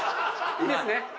いいですね？